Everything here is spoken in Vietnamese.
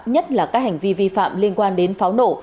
nhất là các hành vi vi phạm liên quan đến pháo nổ